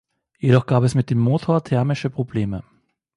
Jedoch gab es mit dem Motor thermische Probleme.